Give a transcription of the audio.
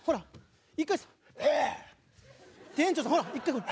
店長さんほら一回これ。